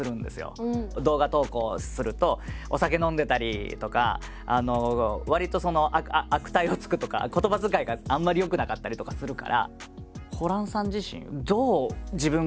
動画投稿するとお酒飲んでたりとかわりとその悪態をつくとか言葉遣いがあんまり良くなかったりとかするから。